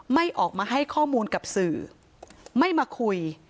ไม่ออกมาให้ข้อมูลกับสื่อไม่มาคุย